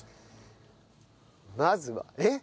まずはえっ！？